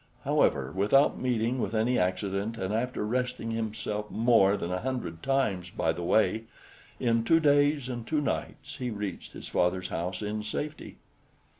However, without meeting with any accident and after resting himself more than a hundred times by the way, in two days and two nights he reached his father's house in safety.